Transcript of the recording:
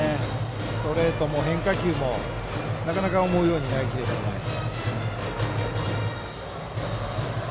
ストレートも変化球もなかなか思うように投げ切れていません。